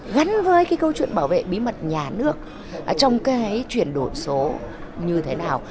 gắn với cái câu chuyện bảo vệ bí mật nhà nước trong cái chuyển đổi số như thế nào